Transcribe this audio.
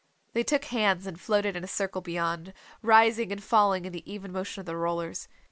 They took hands and floated in a circle beyond, rising and falling in the even motion of the rollers.